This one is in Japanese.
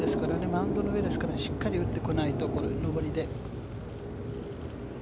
マウンドの上ですから、しっかり打ってこないと、この上りで。